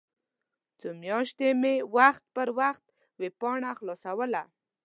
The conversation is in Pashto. څو میاشتې مې وخت په وخت ویبپاڼه خلاصوله.